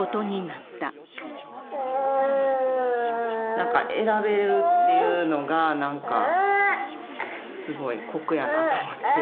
なんか選べるっていうのが、なんかすごい酷やなと思って。